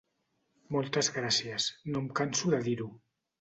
Moltes gràcies, no em canso de dir-ho.